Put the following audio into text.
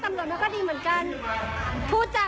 ถูกต้องว่าคุณรักษาคนอื่นค่ะ